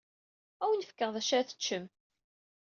Ad awen-fkeɣ d acu ara teččem.